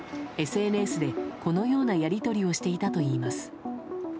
ＳＮＳでこのようなやり取りをしていたといいます。